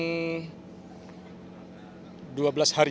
dan dua belas hari